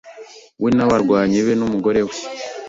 we nabarwanyi be numugore we